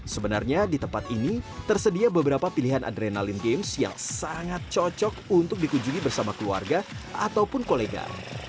sebenarnya di tempat ini tersedia beberapa pilihan adrenalin games yang sangat cocok untuk dikunjungi bersama keluarga ataupun kolega